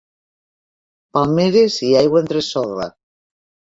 Palmeres i aigua entre sorra.